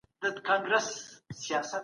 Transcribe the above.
تخنیک د کار د سرعت په لوړولو اغېز لري.